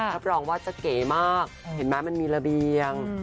รับรองว่าจะเก๋มากเห็นไหมมันมีระเบียง